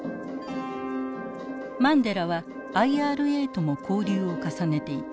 マンデラはＩＲＡとも交流を重ねていた。